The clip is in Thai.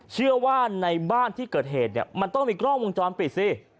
เชื่อว่าในบ้านที่เกิดเหตุเนี่ยมันต้องมีกล้องวงจรปิดสิ